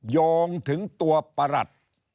โยงถึงตัวประหลัด